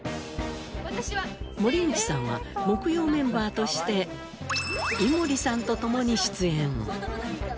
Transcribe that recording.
森口さんは木曜メンバーとして井森さんと共に出演。